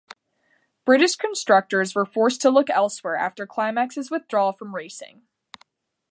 British constructors were forced to look elsewhere after Climax's withdrawal from racing.